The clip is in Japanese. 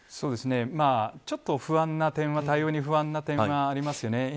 ちょっと不安な点は対応に不安な点はありますね。